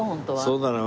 そうだな。